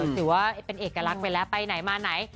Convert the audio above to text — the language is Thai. ถือว่าเป็นเอกลักษณ์ไปแล้วไปไหนมาไหน